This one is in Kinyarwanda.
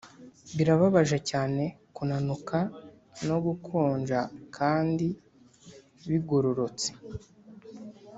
birababaje cyane kunanuka no gukonja kandi bigororotse,